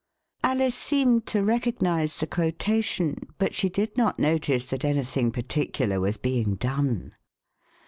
Alice seemed to recognise the quotation, but she did not notice that anything particular was being done.